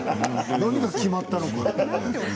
何が決まったのか。